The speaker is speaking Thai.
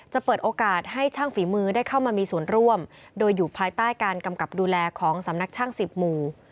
เปิดโอกาสให้ช่างฝีมือได้เข้ามามีส่วนร่วมโดยอยู่ภายใต้การกำกับดูแลของสำนักช่างสิบหมู่